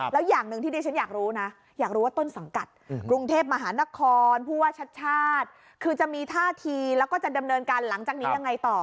แล้วอย่างหนึ่งที่ดิฉันอยากรู้นะอยากรู้ว่าต้นสังกัดกรุงเทพมหานครผู้ว่าชาติชาติคือจะมีท่าทีแล้วก็จะดำเนินการหลังจากนี้ยังไงต่อ